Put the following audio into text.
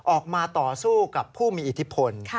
ออกมาต่อสู้กับผู้มีอิทธิพล